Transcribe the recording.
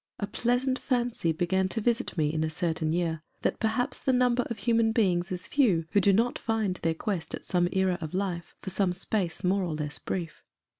A pleasant fancy began to V V visit me in a certain year, that perhaps the number of human beings is few who do not find their quest at some era of life for some space more or less brief.